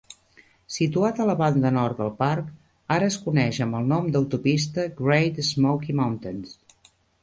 Situat a la banda nord del parc, ara es coneix amb el nom d'autopista Great Smoky Mountains.